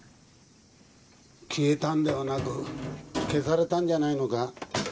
消えたんではなく消されたんじゃないのか？